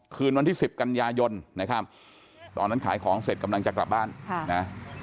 คืนวันที่สิบกันยายนนะครับตอนนั้นขายของเสร็จกำลังจะกลับบ้านนะ